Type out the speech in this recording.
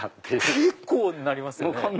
結構になりますよね！